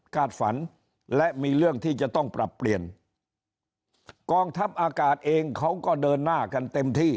ฝันและมีเรื่องที่จะต้องปรับเปลี่ยนกองทัพอากาศเองเขาก็เดินหน้ากันเต็มที่